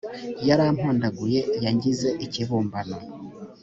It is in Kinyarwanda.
yarampondaguye, yangize ikibumbano